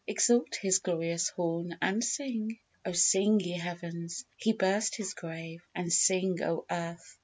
exalt His glorious horn, And sing: O sing, ye heavens! He burst His grave, And sing, O earth!